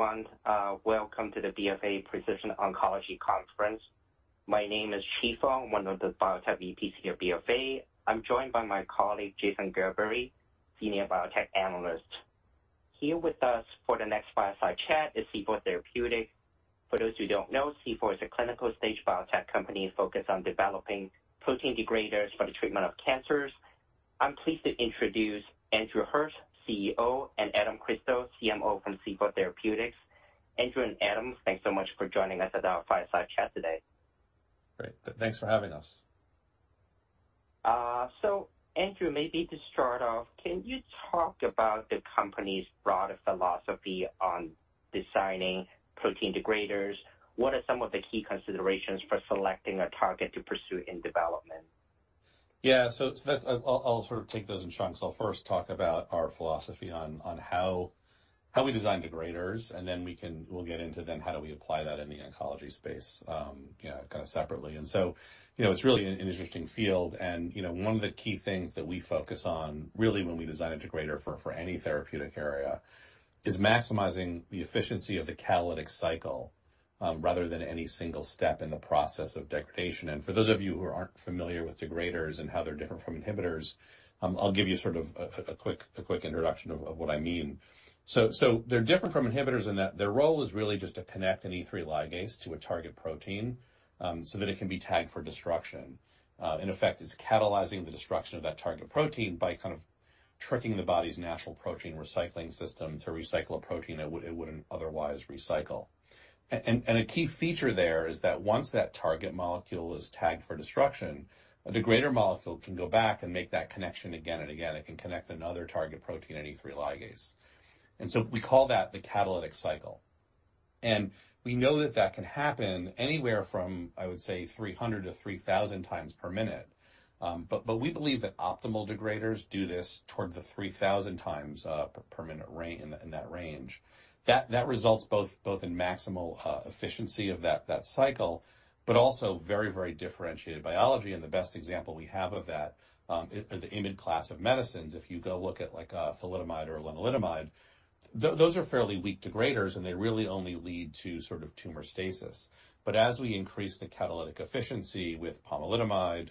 Hello everyone, welcome to the BofA Precision Oncology Conference. My name is Chi Fong, one of the biotech VPs here at BofA. I'm joined by my colleague Jason Gerberry, Senior Biotech Analyst. Here with us for the next fireside chat is C4 Therapeutics. For those who don't know, C4 is a clinical stage biotech company focused on developing protein degraders for the treatment of cancers. I'm pleased to introduce Andrew Hirsch, CEO, and Adam Crystal, CMO from C4 Therapeutics. Andrew and Adam, thanks so much for joining us at our fireside chat today. Great. Thanks for having us. Andrew, maybe to start off, can you talk about the company's broader philosophy on designing protein degraders? What are some of the key considerations for selecting a target to pursue in development? I'll sort of take those in chunks. I'll first talk about our philosophy on how we design degraders, and then we'll get into how we apply that in the oncology space, you know, kind of separately. You know, it's really an interesting field and, you know, one of the key things that we focus on really when we design a degrader for any therapeutic area is maximizing the efficiency of the catalytic cycle, rather than any single step in the process of degradation. For those of you who aren't familiar with degraders and how they're different from inhibitors, I'll give you sort of a quick introduction of what I mean. They're different from inhibitors in that their role is really just to connect an E3 ligase to a target protein, so that it can be tagged for destruction. In effect, it's catalyzing the destruction of that target protein by kind of tricking the body's natural protein recycling system to recycle a protein it wouldn't otherwise recycle. A key feature there is that once that target molecule is tagged for destruction, a degrader molecule can go back and make that connection again and again. It can connect another target protein, an E3 ligase. We call that the catalytic cycle. We know that can happen anywhere from, I would say, 300 to 3,000 times per minute. We believe that optimal degraders do this toward the 3,000 times per minute in that range. That results both in maximal efficiency of that cycle, but also very differentiated biology. The best example we have of that are the IMID class of medicines. If you go look at like thalidomide or lenalidomide, those are fairly weak degraders, and they really only lead to sort of tumor stasis. As we increase the catalytic efficiency with pomalidomide,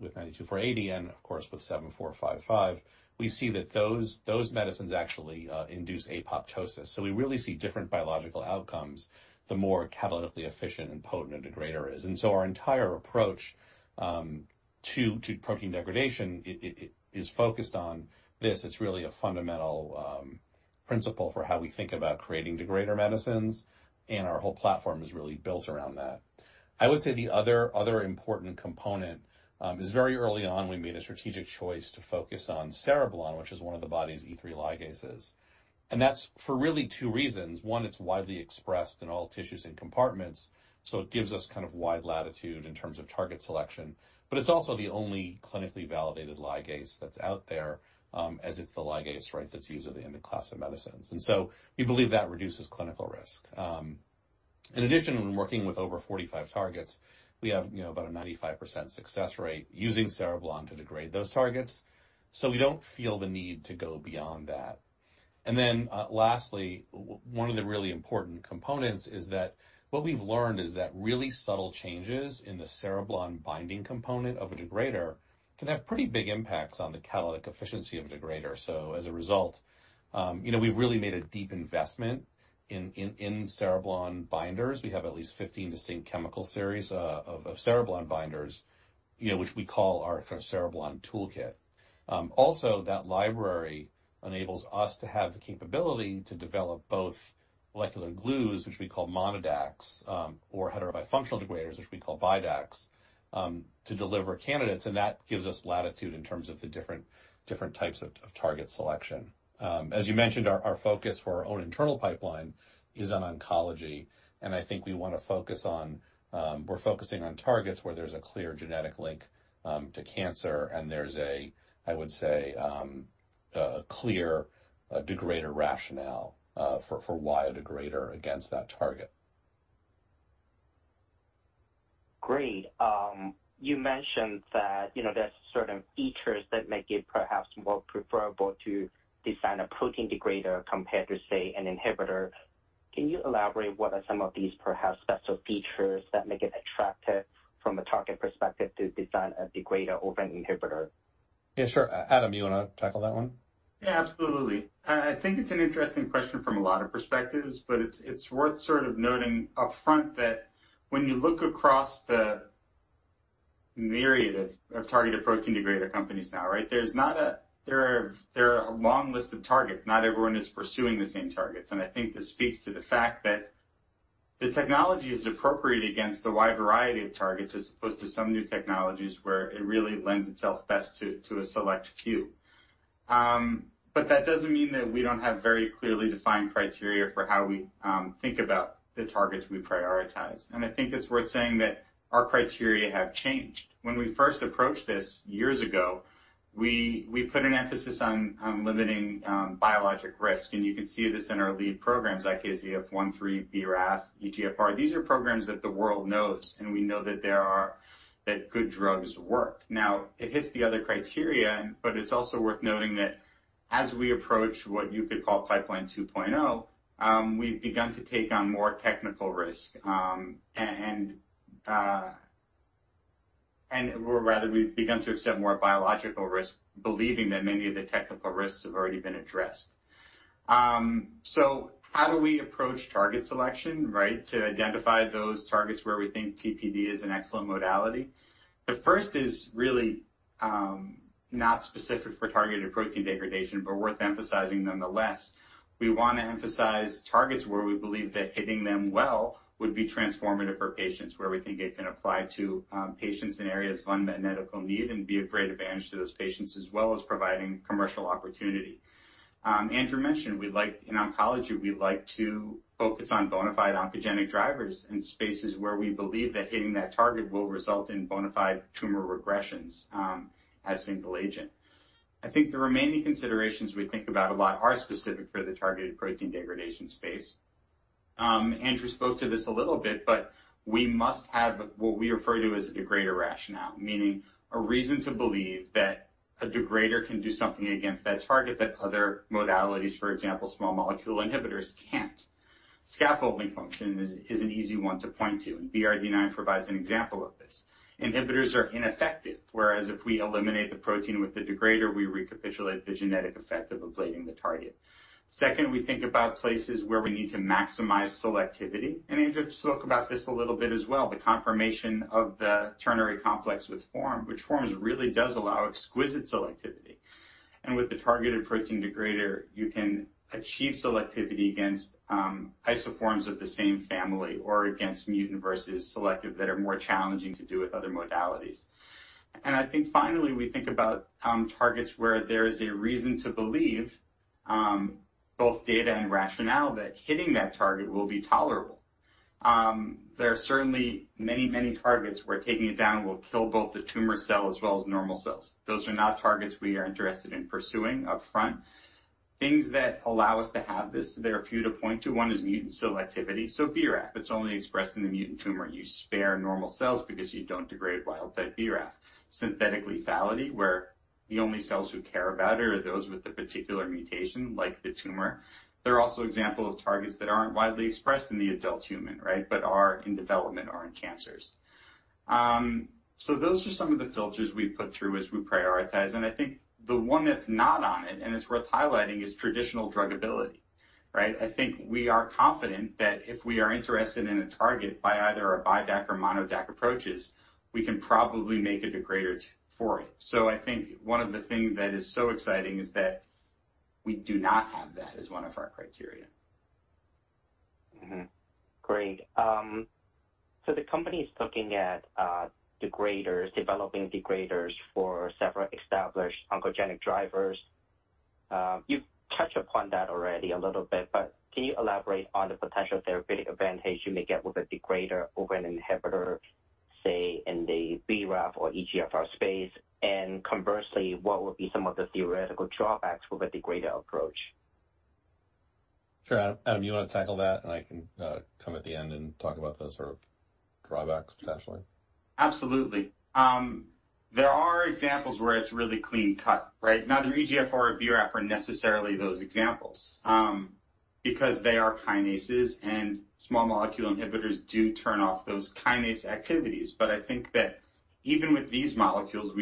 with CC-92480 and of course with CFT7455 we see that those medicines actually induce apoptosis. We really see different biological outcomes, the more catalytically efficient and potent a degrader is. Our entire approach to protein degradation is focused on this. It's really a fundamental principle for how we think about creating degrader medicines, and our whole platform is really built around that. I would say the other important component is very early on, we made a strategic choice to focus on cereblon, which is one of the body's E3 ligases. That's for really two reasons. One, it's widely expressed in all tissues and compartments, so it gives us kind of wide latitude in terms of target selection, but it's also the only clinically validated ligase that's out there, as it's the ligase, right, that's used in the IMID class of medicines. We believe that reduces clinical risk. In addition, when working with over 45 targets, we have, you know, about a 95% success rate using cereblon to degrade those targets. We don't feel the need to go beyond that. One of the really important components is that what we've learned is that really subtle changes in the cereblon binding component of a degrader can have pretty big impacts on the catalytic efficiency of a degrader. As a result, you know, we've really made a deep investment in cereblon binders. We have at least 15 distinct chemical series of cereblon binders, you know, which we call our kind of cereblon toolkit. Also that library enables us to have the capability to develop both molecular glues, which we call MonoDAC, or heterobifunctional degraders, which we call BiDAC, to deliver candidates, and that gives us latitude in terms of the different types of target selection. As you mentioned, our focus for our own internal pipeline is on oncology, and I think we're focusing on targets where there's a clear genetic link to cancer and there's a, I would say, a clear degrader rationale for why a degrader against that target. Great. You mentioned that, you know, there's certain features that make it perhaps more preferable to design a protein degrader compared to, say, an inhibitor. Can you elaborate what are some of these perhaps special features that make it attractive from a target perspective to design a degrader over an inhibitor? Yeah, sure. Adam, you wanna tackle that one? Yeah, absolutely. I think it's an interesting question from a lot of perspectives, but it's worth sort of noting upfront that when you look across the myriad of targeted protein degrader companies now, right? There are a long list of targets, not everyone is pursuing the same targets. I think this speaks to the fact that the technology is appropriate against a wide variety of targets, as opposed to some new technologies where it really lends itself best to a select few. But that doesn't mean that we don't have very clearly defined criteria for how we think about the targets we prioritize. I think it's worth saying that our criteria have changed. When we first approached this years ago, we put an emphasis on limiting biologic risk, and you can see this in our lead programs like AZF13, BRAF, EGFR. These are programs that the world knows, and we know that there are that good drugs work. Now, it hits the other criteria, but it's also worth noting that as we approach what you could call Pipeline 2.0, we've begun to accept more biological risk, believing that many of the technical risks have already been addressed. How do we approach target selection, right? To identify those targets where we think TPD is an excellent modality. The first is really not specific for targeted protein degradation, but worth emphasizing nonetheless. We wanna emphasize targets where we believe that hitting them well would be transformative for patients, where we think it can apply to patients in areas of unmet medical need and be a great advantage to those patients, as well as providing commercial opportunity. Andrew mentioned. In oncology, we like to focus on bona fide oncogenic drivers in spaces where we believe that hitting that target will result in bona fide tumor regressions, as single agent. I think the remaining considerations we think about a lot are specific for the targeted protein degradation space. Andrew spoke to this a little bit, but we must have what we refer to as a degrader rationale, meaning a reason to believe that a degrader can do something against that target that other modalities, for example, small molecule inhibitors, can't. Scaffolding function is an easy one to point to, and BRD9 provides an example of this. Inhibitors are ineffective, whereas if we eliminate the protein with the degrader, we recapitulate the genetic effect of ablating the target. Second, we think about places where we need to maximize selectivity. Andrew spoke about this a little bit as well, the confirmation of the ternary complex formation, which really does allow exquisite selectivity. With the targeted protein degrader, you can achieve selectivity against isoforms of the same family or against mutant versus wild-type that are more challenging to do with other modalities. I think finally, we think about targets where there is a reason to believe both data and rationale that hitting that target will be tolerable. There are certainly many, many targets where taking it down will kill both the tumor cell as well as normal cells. Those are not targets we are interested in pursuing upfront. Things that allow us to have this, there are a few to point to. One is mutant selectivity, so BRAF, it's only expressed in the mutant tumor. You spare normal cells because you don't degrade wild-type BRAF. Synthetic lethality, where the only cells who care about it are those with the particular mutation, like the tumor. There are also examples of targets that aren't widely expressed in the adult human, right, but are in development or in cancers. So those are some of the filters we put through as we prioritize, and I think the one that's not on it, and it's worth highlighting, is traditional drug ability, right? I think we are confident that if we are interested in a target by either a BiDAC or MonoDAC approaches, we can probably make a degrader for it. I think one of the things that is so exciting is that we do not have that as one of our criteria. Great. The company is cooking at degraders, developing degraders for several established oncogenic drivers. You've touched upon that already a little bit, but can you elaborate on the potential therapeutic advantage you may get with a degrader over an inhibitor, say in the BRAF or EGFR space? And conversely, what would be some of the theoretical drawbacks with a degrader approach? Sure. Adam, you wanna tackle that, and I can come at the end and talk about those sort of drawbacks, potentially? Absolutely. There are examples where it's really clean cut, right? Neither EGFR or BRAF are necessarily those examples, because they are kinases and small molecule inhibitors do turn off those kinase activities. I think that even with these molecules,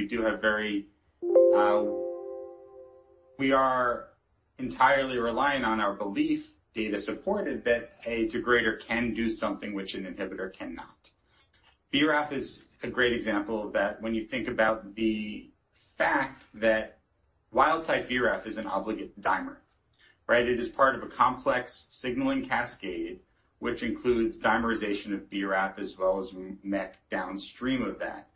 we are entirely reliant on our belief, data supported, that a degrader can do something which an inhibitor cannot. BRAF is a great example of that when you think about the fact that wild type BRAF is an obligate dimer, right? It is part of a complex signaling cascade, which includes dimerization of BRAF as well as MEK downstream of that.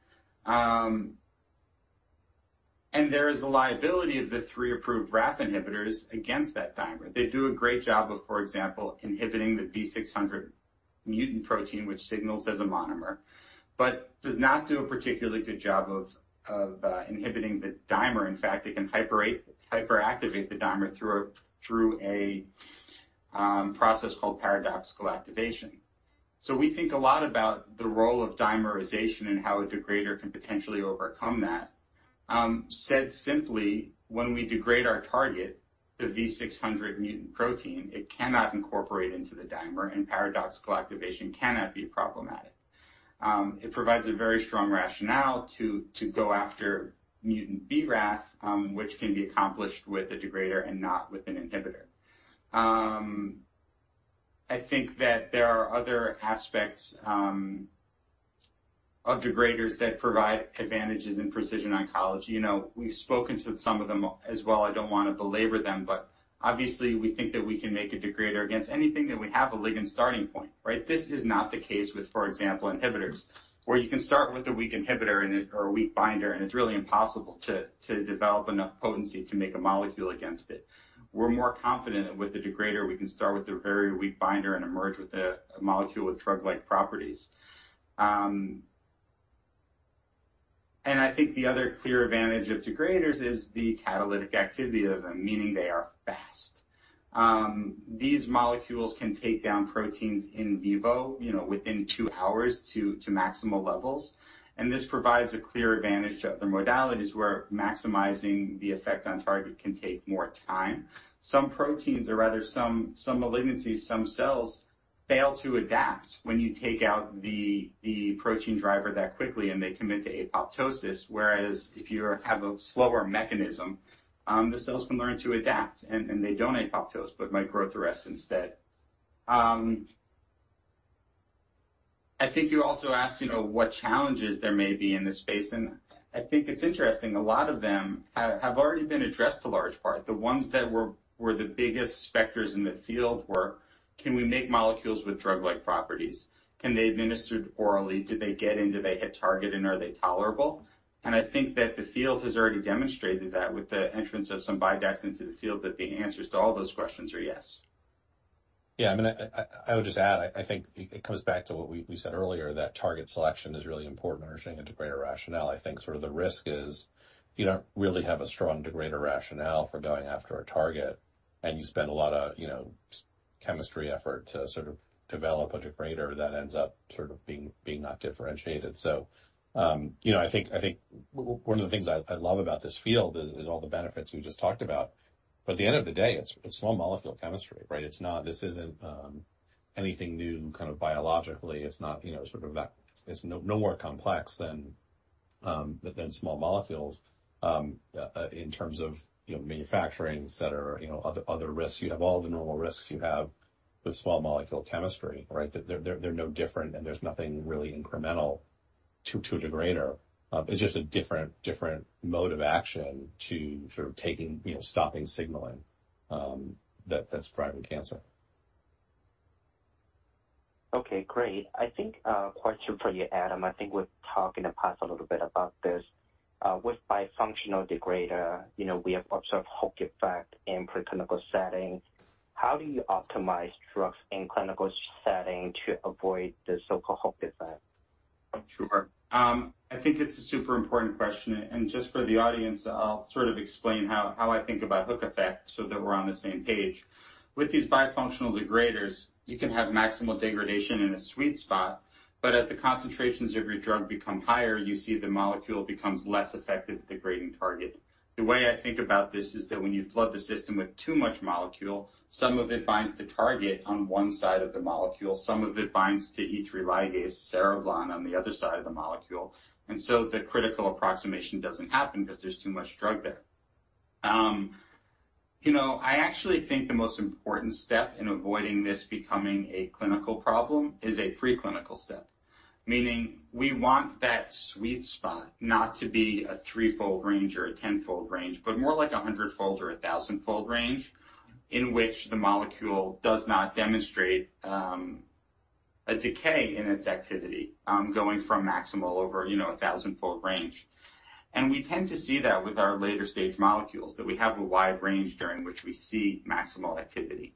There is a liability of the three approved RAF inhibitors against that dimer. They do a great job of, for example, inhibiting the V600 mutant protein, which signals as a monomer, but does not do a particularly good job of inhibiting the dimer. In fact, it can hyperactivate the dimer through a process called paradoxical activation. We think a lot about the role of dimerization and how a degrader can potentially overcome that. Said simply, when we degrade our target, the V600 mutant protein, it cannot incorporate into the dimer, and paradoxical activation cannot be problematic. It provides a very strong rationale to go after mutant BRAF, which can be accomplished with a degrader and not with an inhibitor. I think that there are other aspects of degraders that provide advantages in precision oncology. You know, we've spoken to some of them as well. I don't wanna belabor them, but obviously, we think that we can make a degrader against anything that we have a ligand starting point, right? This is not the case with, for example, inhibitors, where you can start with a weak inhibitor or a weak binder, and it's really impossible to develop enough potency to make a molecule against it. We're more confident that with the degrader, we can start with a very weak binder and emerge with a molecule with drug-like properties. I think the other clear advantage of degraders is the catalytic activity of them, meaning they are fast. These molecules can take down proteins in vivo, you know, within two hours to maximal levels, and this provides a clear advantage to other modalities where maximizing the effect on target can take more time. Some proteins or rather some malignancies, some cells fail to adapt when you take out the protein driver that quickly and they commit to apoptosis, whereas if you have a slower mechanism, the cells can learn to adapt and they don't apoptosis, but might growth arrest instead. I think you also asked, you know, what challenges there may be in this space, and I think it's interesting, a lot of them have already been addressed in large part. The ones that were the biggest specters in the field were can we make molecules with drug-like properties? Can they administer it orally? Do they get in? Do they hit target? And are they tolerable? I think that the field has already demonstrated that with the entrance of some BiDACs into the field that the answers to all those questions are yes. Yeah. I mean, I would just add, I think it comes back to what we said earlier, that target selection is really important understanding a degrader rationale. I think sort of the risk is you don't really have a strong degrader rationale for going after a target, and you spend a lot of, you know, chemistry effort to sort of develop a degrader that ends up sort of being not differentiated. You know, I think one of the things I love about this field is all the benefits we just talked about. But at the end of the day, it's small molecule chemistry, right? It's not. This isn't anything new kind of biologically. It's not, you know, sort of that. It's no more complex than small molecules in terms of, you know, manufacturing, et cetera, you know, other risks. You have all the normal risks you have with small molecule chemistry, right? They're no different, and there's nothing really incremental to a degrader. It's just a different mode of action to sort of taking, you know, stopping signaling that's driving cancer. Okay, great. I think a question for you, Adam. I think we've talked in the past a little bit about this. With bifunctional degrader, you know, we have observed hook effect in preclinical setting. How do you optimize drugs in clinical setting to avoid the so-called hook effect? Sure. I think it's a super important question, and just for the audience, I'll sort of explain how I think about hook effect so that we're on the same page. With these bifunctional degraders, you can have maximal degradation in a sweet spot, but at the concentrations of your drug become higher, you see the molecule becomes less effective at degrading target. The way I think about this is that when you flood the system with too much molecule, some of it binds to target on one side of the molecule, some of it binds to E3 ligase cereblon on the other side of the molecule, and so the critical approximation doesn't happen because there's too much drug there. You know, I actually think the most important step in avoiding this becoming a clinical problem is a preclinical step. Meaning we want that sweet spot not to be a threefold range or a tenfold range, but more like a hundredfold or a thousandfold range in which the molecule does not demonstrate a decay in its activity, going from maximal over, you know, a thousandfold range. We tend to see that with our later stage molecules, that we have a wide range during which we see maximal activity.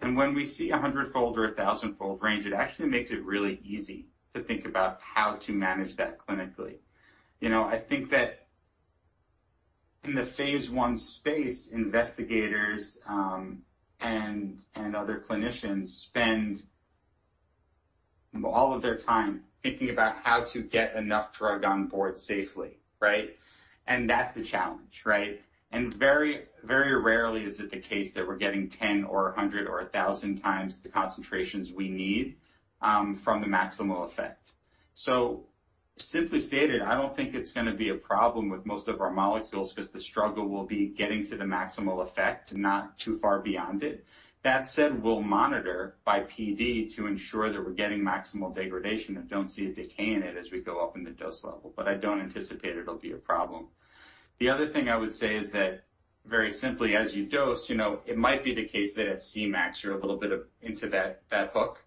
When we see a hundredfold or a thousandfold range, it actually makes it really easy to think about how to manage that clinically. You know, I think that in the phase I space, investigators and other clinicians spend all of their time thinking about how to get enough drug on board safely, right? That's the challenge, right? Very, very rarely is it the case that we're getting 10 or 100 or 1,000 times the concentrations we need from the maximal effect. Simply stated, I don't think it's gonna be a problem with most of our molecules 'cause the struggle will be getting to the maximal effect, not too far beyond it. That said, we'll monitor by PD to ensure that we're getting maximal degradation and don't see a decay in it as we go up in the dose level, but I don't anticipate it'll be a problem. The other thing I would say is that very simply, as you dose, you know, it might be the case that at Cmax you're a little bit into that hook,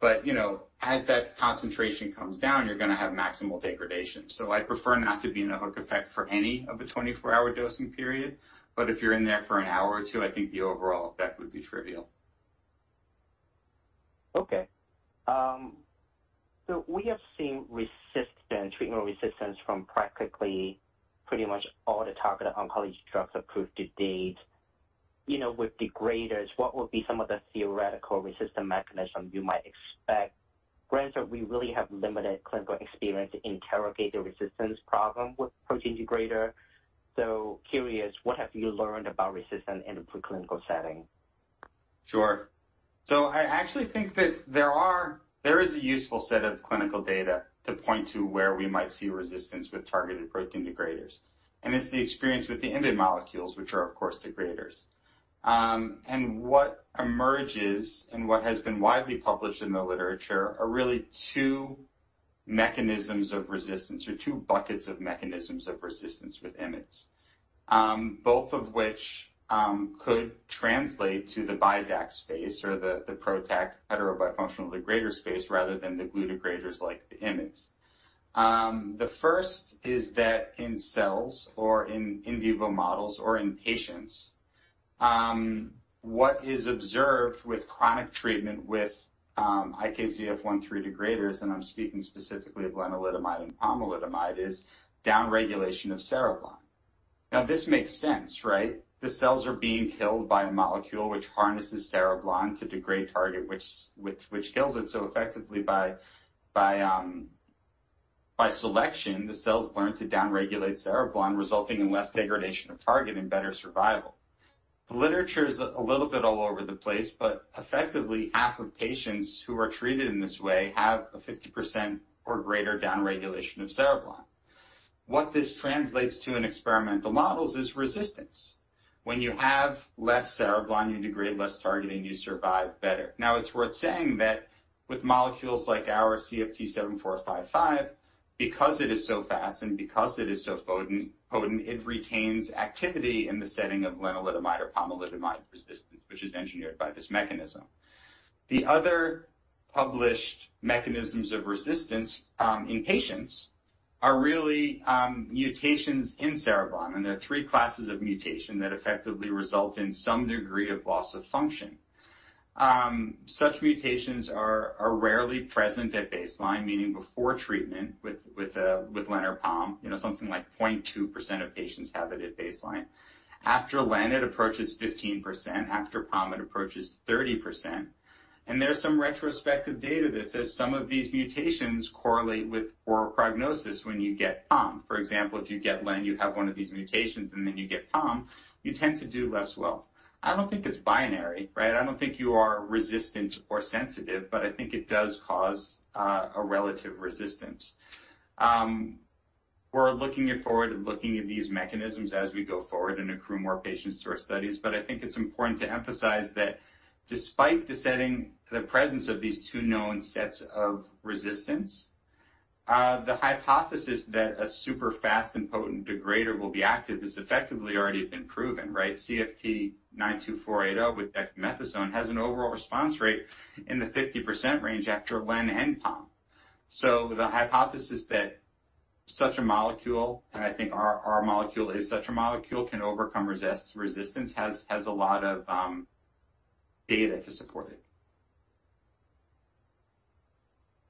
but, you know, as that concentration comes down, you're gonna have maximal degradation. I prefer not to be in a hook effect for any of the 24-hour dosing period, but if you're in there for an hour or two, I think the overall effect would be trivial. Okay. We have seen resistance, treatment resistance from practically pretty much all the targeted oncology drugs approved to date. You know, with degraders, what would be some of the theoretical resistance mechanisms you might expect? Granted, we really have limited clinical experience to interrogate the resistance problem with protein degrader. Curious, what have you learned about resistance in the preclinical setting? Sure. I actually think that there is a useful set of clinical data to point to where we might see resistance with targeted protein degraders, and it's the experience with the IMiD molecules, which are, of course, degraders. What emerges and what has been widely published in the literature are really two mechanisms of resistance or two buckets of mechanisms of resistance with IMiDs. Both of which could translate to the BiDAC space or the PROTAC hetero-bifunctional degrader space rather than the glue degraders like the IMiDs. The first is that in cells or in vivo models or in patients, what is observed with chronic treatment with IKZF1/3 degraders, and I'm speaking specifically of lenalidomide and pomalidomide, is downregulation of cereblon. Now this makes sense, right? The cells are being killed by a molecule which harnesses cereblon to degrade target which kills it so effectively by selection, the cells learn to down-regulate cereblon, resulting in less degradation of target and better survival. The literature is a little bit all over the place, but effectively, half of patients who are treated in this way have a 50% or greater downregulation of cereblon. What this translates to in experimental models is resistance. When you have less cereblon, you degrade less targeting, you survive better. It's worth saying that with molecules like our CFT-7455, because it is so fast and because it is so potent, it retains activity in the setting of lenalidomide or pomalidomide resistance, which is engineered by this mechanism. The other published mechanisms of resistance in patients are really mutations in cereblon, and there are three classes of mutation that effectively result in some degree of loss of function. Such mutations are rarely present at baseline, meaning before treatment with Len or Pom, you know, something like 0.2% of patients have it at baseline. After Len, it approaches 15%. After Pom, it approaches 30%. There's some retrospective data that says some of these mutations correlate with poorer prognosis when you get Pom. For example, if you get Len, you have one of these mutations, and then you get Pom, you tend to do less well. I don't think it's binary, right? I don't think you are resistant or sensitive, but I think it does cause a relative resistance. We're looking forward and looking at these mechanisms as we go forward and accrue more patients to our studies. I think it's important to emphasize that despite the setting, the presence of these two known sets of resistance, the hypothesis that a super fast and potent degrader will be active has effectively already been proven, right? CFT7455 with dexamethasone has an overall response rate in the 50% range after Len and Pom. The hypothesis that such a molecule, and I think our molecule is such a molecule, can overcome resistance, has a lot of data to support it.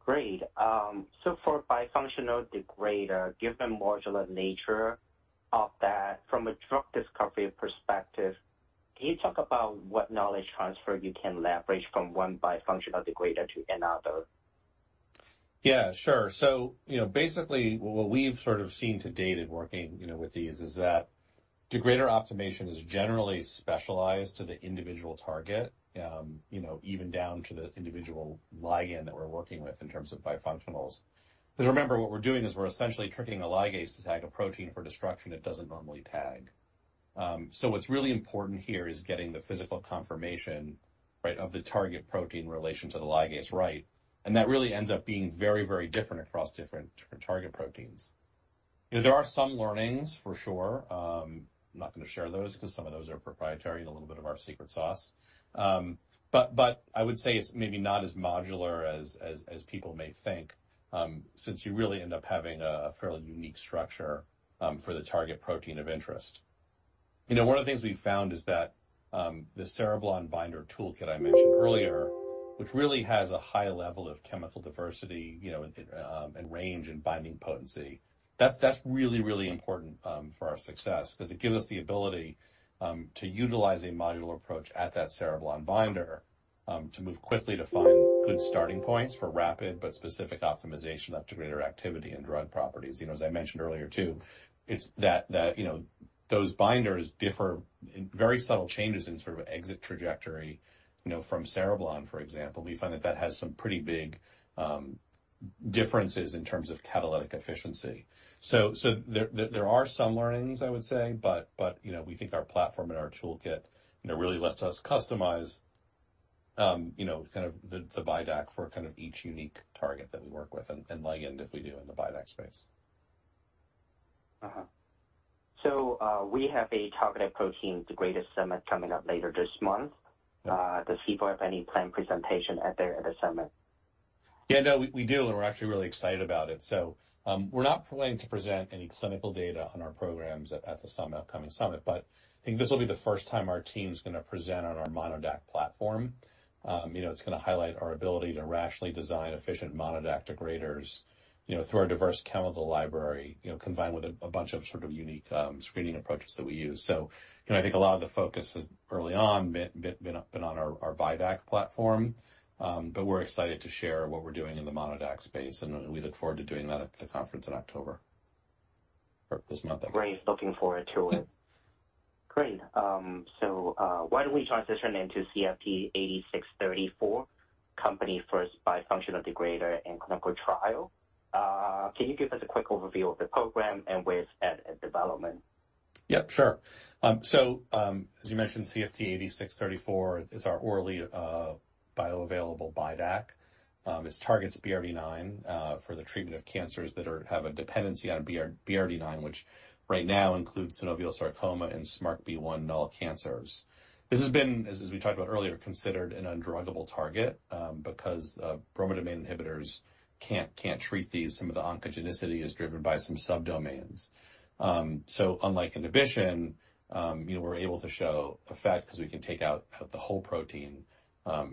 Great. For bifunctional degrader, given modular nature of that from a drug discovery perspective, can you talk about what knowledge transfer you can leverage from one bifunctional degrader to another? Yeah, sure. You know, basically what we've sort of seen to date in working, you know, with these is that degrader optimization is generally specialized to the individual target, you know, even down to the individual ligand that we're working with in terms of bifunctionals. 'Cause remember, what we're doing is we're essentially tricking a ligase to tag a protein for destruction it doesn't normally tag. What's really important here is getting the physical conformation, right, of the target protein relation to the ligase right. That really ends up being very, very different across different target proteins. You know, there are some learnings, for sure. I'm not gonna share those 'cause some of those are proprietary and a little bit of our secret sauce. I would say it's maybe not as modular as people may think, since you really end up having a fairly unique structure for the target protein of interest. You know, one of the things we found is that, the cereblon binder toolkit I mentioned earlier, which really has a high level of chemical diversity, you know, and range and binding potency, that's really important for our success 'cause it gives us the ability to utilize a modular approach at that cereblon binder to move quickly to find good starting points for rapid but specific optimization of degrader activity and drug properties. You know, as I mentioned earlier too, it's that, you know, those binders differ in very subtle changes in sort of exit trajectory, you know, from cereblon, for example. We find that has some pretty big differences in terms of catalytic efficiency. So there are some learnings, I would say, but you know, we think our platform and our toolkit you know really lets us customize you know kind of the BiDAC for kind of each unique target that we work with and ligand, if we do in the BiDAC space. We have a targeted protein degrader summit coming up later this month. Does C4 have any planned presentation at the summit? Yeah, no, we do, and we're actually really excited about it. We're not planning to present any clinical data on our programs at the upcoming summit, but I think this will be the first time our team's gonna present on our MonoDAC platform. You know, it's gonna highlight our ability to rationally design efficient MonoDAC degraders, you know, through our diverse chemical library, you know, combined with a bunch of sort of unique screening approaches that we use. You know, I think a lot of the focus has early on been on our BiDAC platform. But we're excited to share what we're doing in the MonoDAC space, and we look forward to doing that at the conference in October or this month, I guess. Great. Looking forward to it. Great. Why don't we transition into CFT8634, company's first bifunctional degrader in clinical trial. Can you give us a quick overview of the program and where it's at in development? Yeah, sure. As you mentioned, CFT8634 is our orally bioavailable BiDAC. It targets BRD9 for the treatment of cancers that have a dependency on BRD9, which right now includes synovial sarcoma and SMARCB1-null cancers. This has been, as we talked about earlier, considered an undruggable target, because bromodomain inhibitors can't treat these. Some of the oncogenicity is driven by some subdomains. Unlike inhibition, you know, we're able to show effect 'cause we can take out the whole protein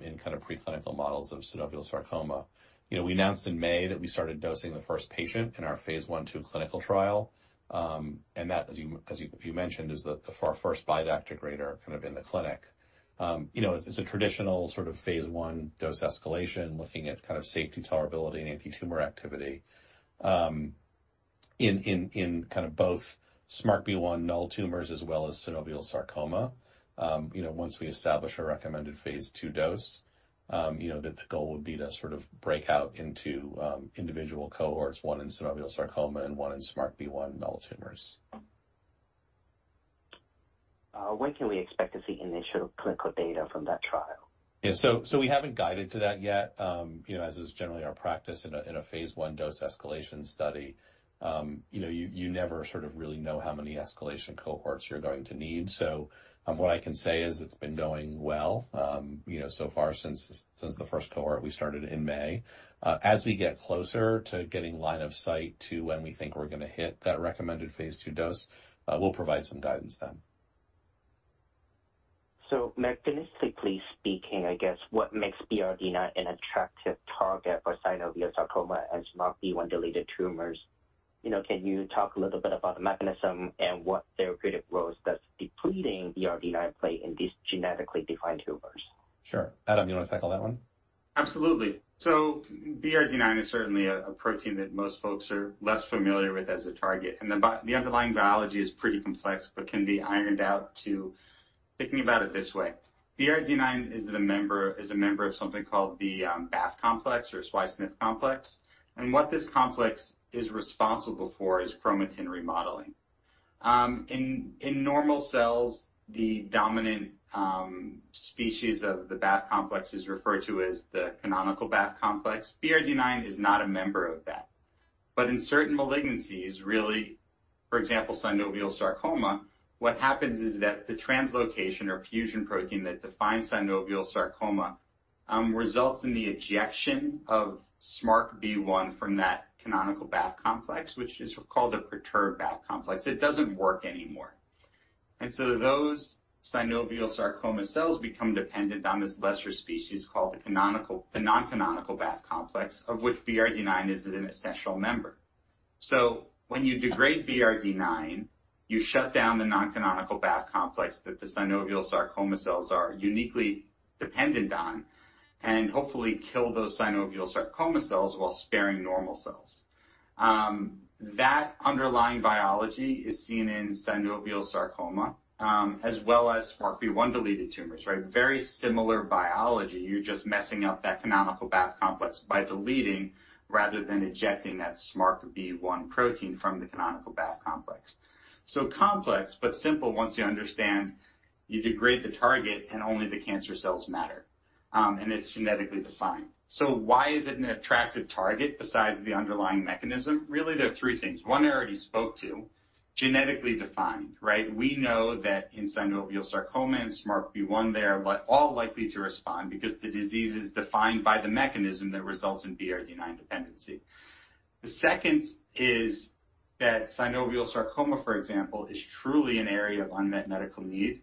in kind of preclinical models of synovial sarcoma. You know, we announced in May that we started dosing the first patient in our phase I/2 clinical trial, and that, as you mentioned, is our first BiDAC degrader kind of in the clinic. You know, it's a traditional sort of phase I dose escalation, looking at kind of safety, tolerability, and antitumor activity. In kind of both SMARCB1-null tumors as well as synovial sarcoma, you know, once we establish a recommended phase II dose, you know, that the goal would be to sort of break out into individual cohorts, one in synovial sarcoma and one in SMARCB1-null tumors. When can we expect to see initial clinical data from that trial? We haven't guided to that yet. You know, as is generally our practice in a phase I dose escalation study, you know, you never sort of really know how many escalation cohorts you're going to need. What I can say is it's been going well, you know, so far since the first cohort we started in May. As we get closer to getting line of sight to when we think we're gonna hit that recommended phase II dose, we'll provide some guidance then. Mechanistically speaking, I guess what makes BRD9 an attractive target for synovial sarcoma and SMARCB1 deleted tumors? You know, can you talk a little bit about the mechanism and what therapeutic roles does depleting BRD9 play in these genetically defined tumors? Sure. Adam, you wanna tackle that one? Absolutely. BRD9 is certainly a protein that most folks are less familiar with as a target, and the underlying biology is pretty complex but can be ironed out to thinking about it this way. BRD9 is a member of something called the BAF complex or SWI/SNF complex, and what this complex is responsible for is chromatin remodeling. In normal cells, the dominant species of the BAF complex is referred to as the canonical BAF complex. BRD9 is not a member of that. In certain malignancies, really, for example, synovial sarcoma, what happens is that the translocation or fusion protein that defines synovial sarcoma results in the ejection of SMARCB1 from that canonical BAF complex, which is called a perturbed BAF complex. It doesn't work anymore. Those synovial sarcoma cells become dependent on this lesser species called the non-canonical BAF complex, of which BRD9 is an essential member. When you degrade BRD9, you shut down the non-canonical BAF complex that the synovial sarcoma cells are uniquely dependent on and hopefully kill those synovial sarcoma cells while sparing normal cells. That underlying biology is seen in synovial sarcoma, as well as SMARCB1 deleted tumors, right? Very similar biology. You're just messing up that canonical BAF complex by deleting rather than ejecting that SMARCB1 protein from the canonical BAF complex. Complex but simple once you understand you degrade the target and only the cancer cells matter, and it's genetically defined. Why is it an attractive target besides the underlying mechanism? Really, there are three things. One, I already spoke to, genetically defined, right? We know that in synovial sarcoma and SMARCB1 there are all likely to respond because the disease is defined by the mechanism that results in BRD9 dependency. The second is that synovial sarcoma, for example, is truly an area of unmet medical need.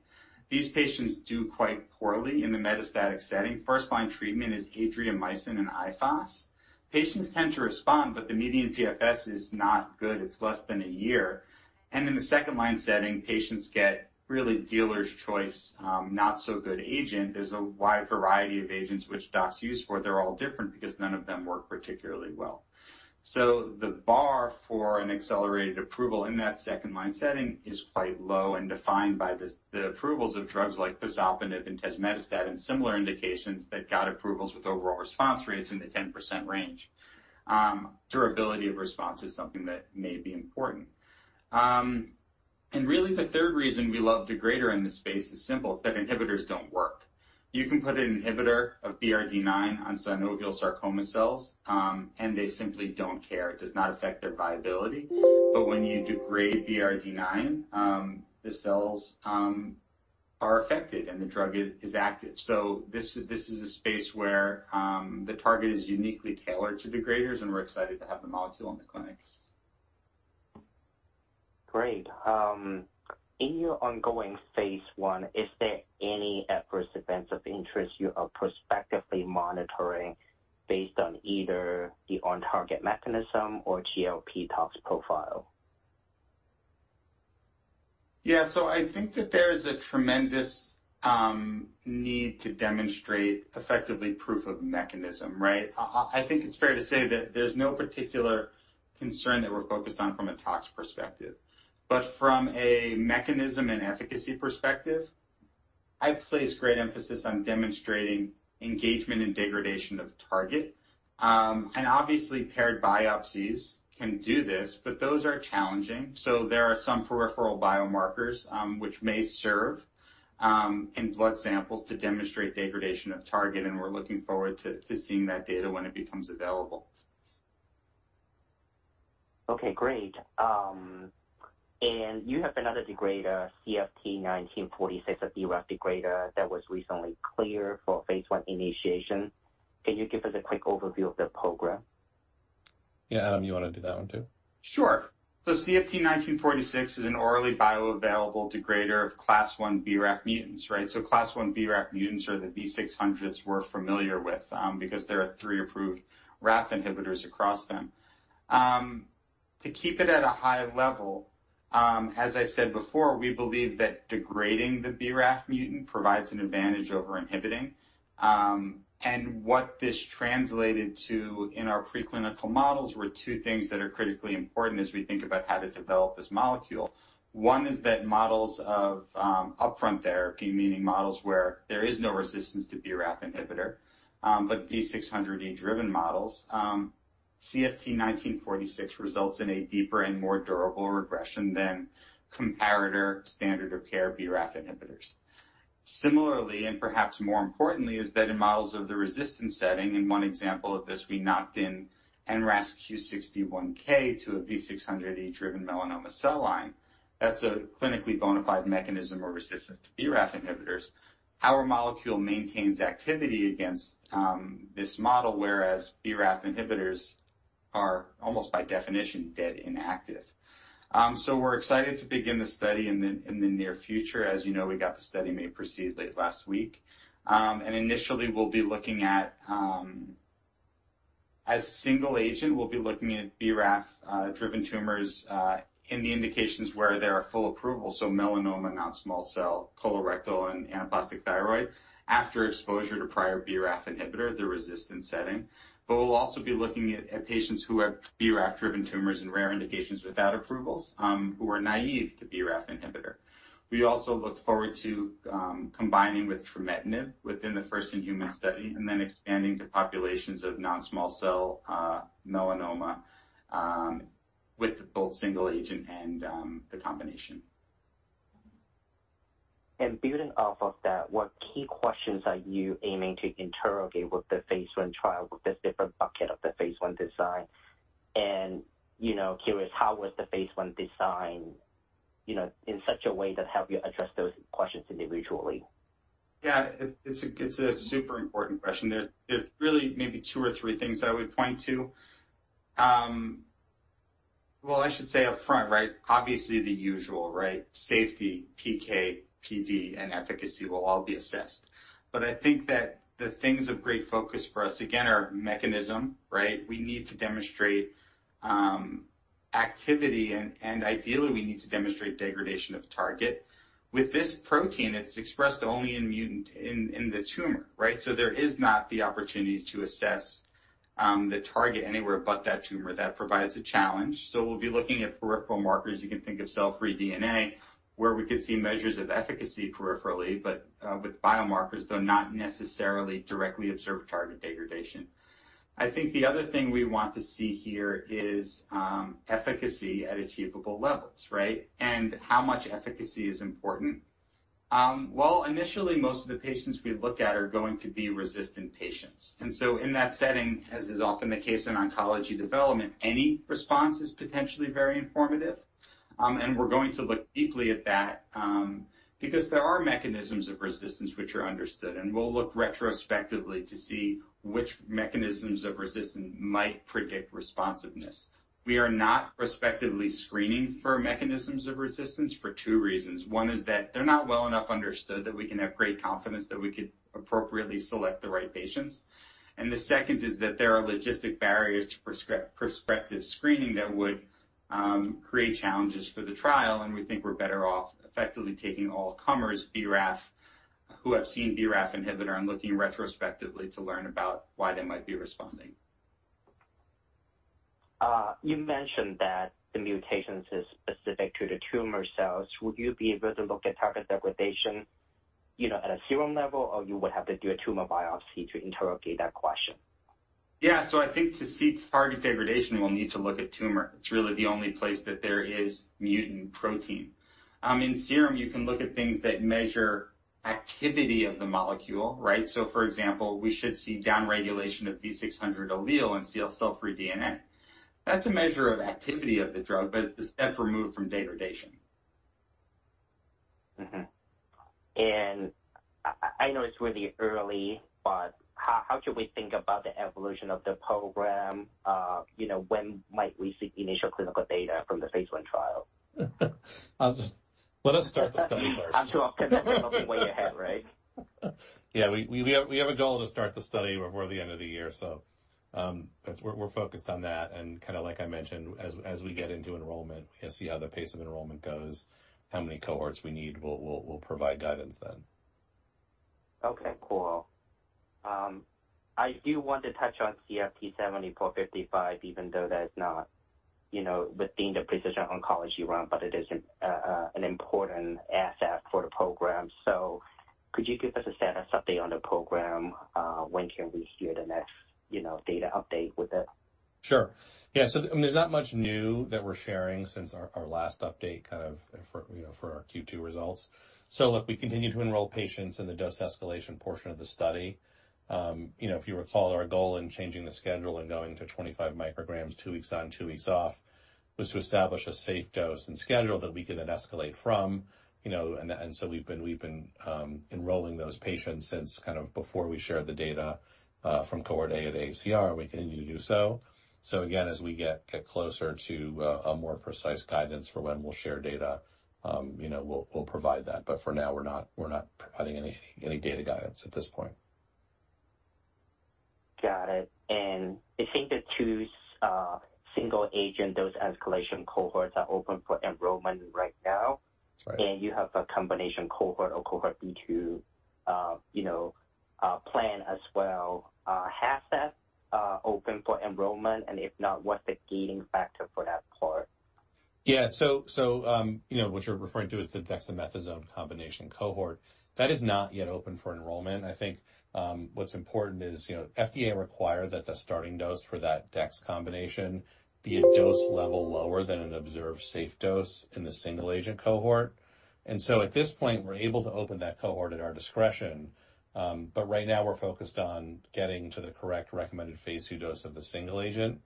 These patients do quite poorly in the metastatic setting. First-line treatment is Adriamycin and ifosfamide. Patients tend to respond, but the median DFS is not good. It's less than a year. In the second-line setting, patients get really dealer's choice, not so good agent. There's a wide variety of agents which docs use for. They're all different because none of them work particularly well. The bar for an accelerated approval in that second-line setting is quite low and defined by the approvals of drugs like pazopanib and tazemetostat and similar indications that got approvals with overall response rates in the 10% range. Durability of response is something that may be important. Really, the third reason we love degraders in this space is simple. It's that inhibitors don't work. You can put an inhibitor of BRD9 on synovial sarcoma cells, and they simply don't care. It does not affect their viability. When you degrade BRD9, the cells are affected, and the drug is active. This is a space where the target is uniquely tailored to degraders, and we're excited to have the molecule in the clinic. Great. In your ongoing phase I, is there any adverse events of interest you are prospectively monitoring based on either the on-target mechanism or GLP tox profile? Yeah. I think that there's a tremendous need to demonstrate effectively proof of mechanism, right? I think it's fair to say that there's no particular concern that we're focused on from a tox perspective. But from a mechanism and efficacy perspective, I place great emphasis on demonstrating engagement and degradation of target. Obviously paired biopsies can do this, but those are challenging. There are some peripheral biomarkers which may serve in blood samples to demonstrate degradation of target, and we're looking forward to seeing that data when it becomes available. Okay, great. You have another degrader, CFT1946, a BRAF degrader that was recently cleared for phase I initiation. Can you give us a quick overview of the program? Yeah. Adam, you wanna do that one too? Sure. CFT1946 is an orally bioavailable degrader of class one BRAF mutants, right? Class one BRAF mutants are the V600s we're familiar with, because there are three approved RAF inhibitors across them. To keep it at a high level, as I said before, we believe that degrading the BRAF mutant provides an advantage over inhibiting. What this translated to in our preclinical models were two things that are critically important as we think about how to develop this molecule. One is that models of upfront therapy, meaning models where there is no resistance to BRAF inhibitor, but V600E-driven models, CFT1946 results in a deeper and more durable regression than comparator standard of care BRAF inhibitors. Similarly, and perhaps more importantly, is that in models of the resistance setting, in one example of this, we knocked in NRAS Q61K to a V600E-driven melanoma cell line. That's a clinically bona fide mechanism of resistance to BRAF inhibitors. Our molecule maintains activity against this model, whereas BRAF inhibitors are almost by definition dead inactive. We're excited to begin the study in the near future. As you know, we got the Study May Proceed late last week. Initially we'll be looking at as single agent, we'll be looking at BRAF driven tumors in the indications where there are full approval, so melanoma, non-small cell, colorectal and anaplastic thyroid after exposure to prior BRAF inhibitor, the resistant setting. We'll also be looking at patients who have BRAF-driven tumors and rare indications without approvals, who are naive to BRAF inhibitor. We also look forward to combining with trametinib within the first human study and then expanding to populations of non-small cell, melanoma, with both single agent and the combination. Building off of that, what key questions are you aiming to interrogate with the phase I trial, with this different bucket of the phase I design? You know, curious, how was the phase I design, you know, in such a way that help you address those questions individually? Yeah, it's a super important question. There's really maybe two or three things I would point to. Well, I should say upfront, right? Obviously the usual, right? Safety, PK, PD, and efficacy will all be assessed. I think that the things of great focus for us, again, are mechanism, right? We need to demonstrate activity and ideally, we need to demonstrate degradation of target. With this protein, it's expressed only in the tumor, right? There is not the opportunity to assess the target anywhere but that tumor that provides a challenge. We'll be looking at peripheral markers. You can think of cell-free DNA, where we could see measures of efficacy peripherally, but with biomarkers, though not necessarily directly observed target degradation. I think the other thing we want to see here is efficacy at achievable levels, right? How much efficacy is important. Well, initially, most of the patients we look at are going to be resistant patients. In that setting, as is often the case in oncology development, any response is potentially very informative. We're going to look deeply at that, because there are mechanisms of resistance which are understood, and we'll look retrospectively to see which mechanisms of resistance might predict responsiveness. We are not prospectively screening for mechanisms of resistance for two reasons. One is that they're not well enough understood that we can have great confidence that we could appropriately select the right patients. The second is that there are logistic barriers to prospective screening that would create challenges for the trial, and we think we're better off effectively taking all comers BRAF, who have seen BRAF inhibitor and looking retrospectively to learn about why they might be responding. You mentioned that the mutations is specific to the tumor cells. Would you be able to look at target degradation, you know, at a serum level, or you would have to do a tumor biopsy to interrogate that question? Yeah. I think to see target degradation, we'll need to look at tumor. It's really the only place that there is mutant protein. In serum, you can look at things that measure activity of the molecule, right? For example, we should see downregulation of V600 allele and ct cell-free DNA. That's a measure of activity of the drug, but a step removed from degradation. I know it's really early, but how should we think about the evolution of the program? You know, when might we see initial clinical data from the phase I trial? Let us start the study first. I'm sure I'm getting way ahead, right? Yeah. We have a goal to start the study before the end of the year. That's where we're focused on that. Kinda like I mentioned, as we get into enrollment, we'll see how the pace of enrollment goes, how many cohorts we need, we'll provide guidance then. Okay. Cool. I do want to touch on CFT7455, even though that's not, you know, within the precision oncology realm, but it is an important asset for the program. Could you give us a status update on the program? When can we hear the next, you know, data update with it? Sure. Yeah. I mean, there's not much new that we're sharing since our last update kind of for, you know, for our Q2 results. Look, we continue to enroll patients in the dose escalation portion of the study. You know, if you recall our goal in changing the schedule and going to 25 micrograms, two weeks on, two weeks off, was to establish a safe dose and schedule that we can then escalate from, you know. We've been enrolling those patients since kind of before we shared the data from cohort A at AACR. We continue to do so. Again, as we get closer to a more precise guidance for when we'll share data, you know, we'll provide that. But for now, we're not providing any data guidance at this point. Got it. I think the two, single agent, those escalation cohorts are open for enrollment right now. That's right. You have a combination cohort or cohort B to, you know, plan as well. Has that opened for enrollment? If not, what's the gating factor for that part? Yeah. What you're referring to is the dexamethasone combination cohort. That is not yet open for enrollment. I think, what's important is, you know, FDA required that the starting dose for that dex combination be a dose level lower than an observed safe dose in the single-agent cohort. At this point, we're able to open that cohort at our discretion. Right now we're focused on getting to the correct recommended phase II dose of the single agent,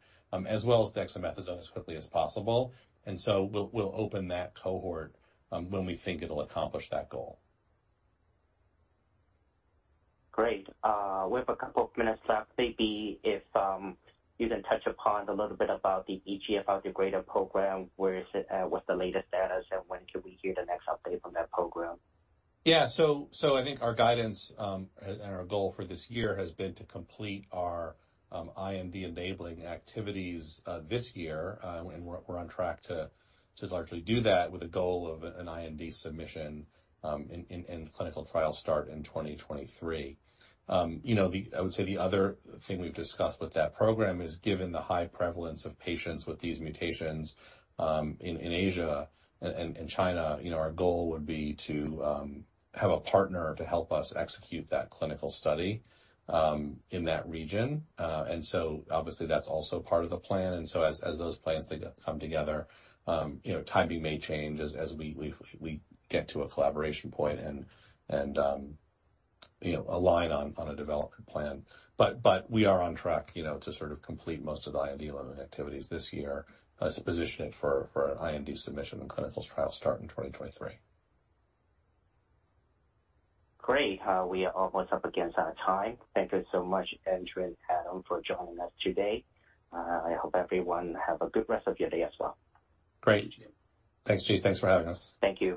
as well as dexamethasone as quickly as possible. We'll open that cohort when we think it'll accomplish that goal. Great. We have a couple of minutes left. Maybe if you can touch upon a little bit about the EGFR degrader program. Where is it at? What's the latest status, and when can we hear the next update on that program? Yeah. I think our guidance and our goal for this year has been to complete our IND-enabling activities this year. We're on track to largely do that with a goal of an IND submission and clinical trial start in 2023. You know, I would say the other thing we've discussed with that program is given the high prevalence of patients with these mutations in Asia and China. You know, our goal would be to have a partner to help us execute that clinical study in that region. Obviously that's also part of the plan. As those plans come together, you know, timing may change as we get to a collaboration point and, you know, align on a development plan. We are on track, you know, to sort of complete most of the IND-enabling activities this year as a positioning for an IND submission and clinical trial start in 2023. Great. We are almost up against our time. Thank you so much, Andrew and Adam, for joining us today. I hope everyone have a good rest of your day as well. Great. Thank you. Thanks, Chi. Thanks for having us. Thank you.